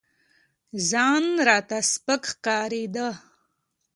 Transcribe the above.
ځان راته سپك ښكارېده.